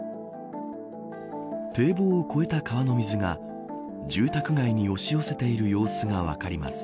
堤防を越えた川の水が住宅街に押し寄せている様子が分かります。